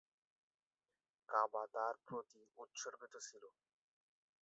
কাবা তার প্রতি উৎসর্গিত ছিল।